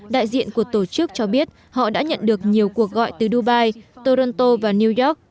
đại diện của tổ chức cho biết họ đã nhận được nhiều cuộc gọi từ dubai toronto và new york